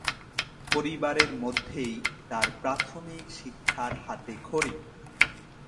পরিবারের মধ্যেই তার প্রাথমিক শিক্ষার হাতেখড়ি।